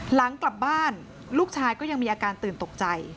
หลังกลับบ้านลูกชายก็ยังมีอาการตื่นตกใจ